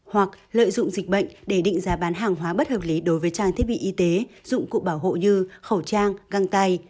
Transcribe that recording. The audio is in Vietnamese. hoặc lợi dụng dịch bệnh để định giá bán hàng hóa bất hợp lý đối với trang thiết bị y tế dụng cụ bảo hộ như khẩu trang găng tay